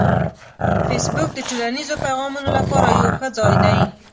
فېسبوک د ټولنیزو پیغامونو لپاره یو ښه ځای دی